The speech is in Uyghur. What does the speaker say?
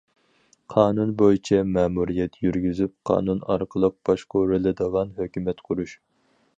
قانۇن بويىچە مەمۇرىيەت يۈرگۈزۈپ، قانۇن ئارقىلىق باشقۇرۇلىدىغان ھۆكۈمەت قۇرۇش.